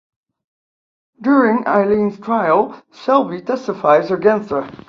During Aileen's trial, Selby testifies against her.